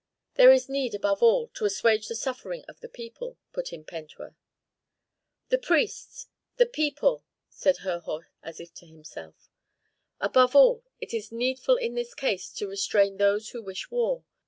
"There is need, above all, to assuage the suffering of the people," put in Pentuer. "The priests! the people!" said Herhor, as if to himself. "Above all, it is needful in this case to restrain those who wish war.